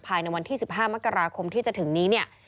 ภายในวันที่๑๕มกราคมที่จะถึงนี้เนี่ย